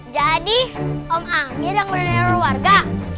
jadi om amir yang meneror warga